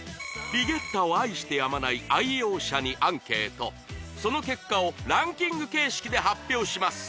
リゲッタを愛してやまない愛用者にアンケートその結果をランキング形式で発表します